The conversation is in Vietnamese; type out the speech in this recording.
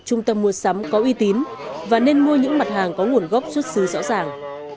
trung tâm mua sắm có uy tín và nên mua những mặt hàng có nguồn gốc xuất xứ rõ ràng